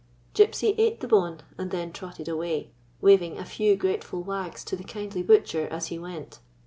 Gypsy ate the bone, and then trotted away, wav ing a few grateful wags to the kindly butcher as he went.